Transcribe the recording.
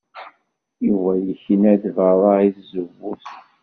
Yuba yekna-d beṛṛa i tzewwut.